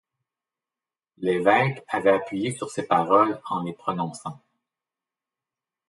L’évêque avait appuyé sur ces paroles en les prononçant.